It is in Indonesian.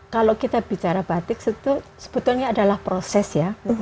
kalau kita bicara batik sebetulnya adalah proses ya